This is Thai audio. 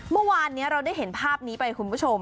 เมื่อวานนี้เราได้เห็นภาพนี้ไปคุณผู้ชม